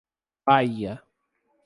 Bahia